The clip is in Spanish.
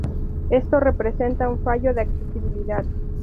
Esto representa un fallo de accesibilidad.